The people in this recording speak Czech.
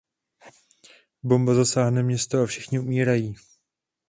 Bomba zasáhne město a všichni umírají.